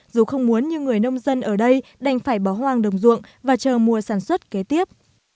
dù không muốn nhưng người nông dân ở đây đành phải bỏ hoang đồng ruộng và chờ mùa sản xuất kế tiếp